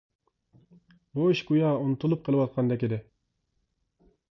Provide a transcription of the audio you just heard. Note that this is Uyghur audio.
بۇ ئىش گويا ئۇنتۇلۇپ قېلىۋاتقاندەك ئىدى.